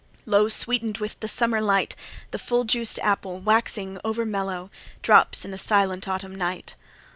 Lo! sweeten'd with the summer light, The full juiced apple, waxing over mellow, Drops in a silent autumn night.